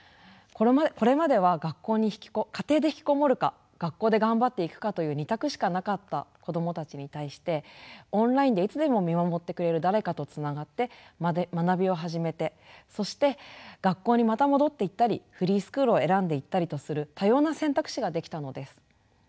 これまでは家庭で引きこもるか学校で頑張っていくかという２択しかなかった子どもたちに対してオンラインでいつでも見守ってくれる誰かとつながって学びを始めてそして学校にまた戻っていったりフリースクールを選んでいったりとする多様な選択肢が出来たのです。